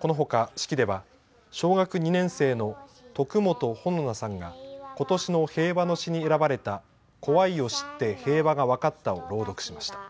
このほか、式では小学２年生のとく元穂菜さんがことしの平和の詩に選ばれたこわいをしって、へいわがわかったを朗読しました。